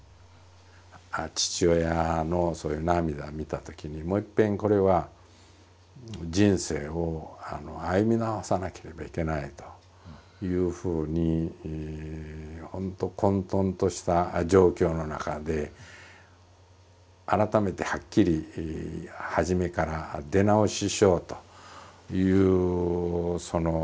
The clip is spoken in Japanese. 父親の涙を見たときにもういっぺんこれは人生を歩み直さなければいけないというふうにほんと混とんとした状況の中で改めてはっきり初めから出直ししようという覚悟をしましてね